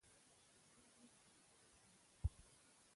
هغوي ډير ښه خلک دي